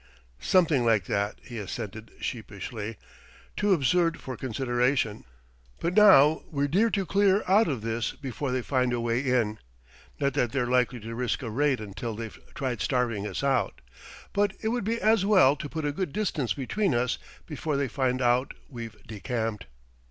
"Something like that," he assented sheepishly "too absurd for consideration.... But now we're due to clear out of this before they find a way in. Not that they're likely to risk a raid until they've tried starving us out; but it would be as well to put a good distance between us before they find out we've decamped."